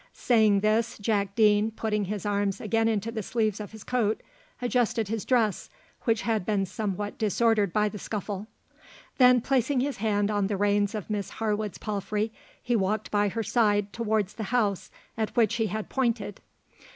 Saying this, Jack Deane, putting his arms again into the sleeves of his coat, adjusted his dress, which had been somewhat disordered by the scuffle; then placing his hand on the reins of Miss Harwood's palfrey, he walked by her side towards the house at which he had pointed.